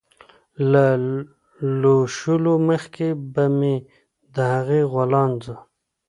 له لوشلو مخکې به مې د هغې غولانځه